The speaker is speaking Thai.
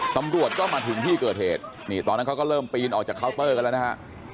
ตำรวจก็มาถึงที่เกิดเหตุนี่ตอนนั้นเขาก็เริ่มปีนออกจากเคาน์เตอร์กันแล้วนะฮะ